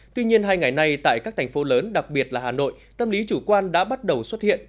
tuy nhiên hai ngày nay tại các thành phố lớn đặc biệt là hà nội tâm lý chủ quan đã bắt đầu xuất hiện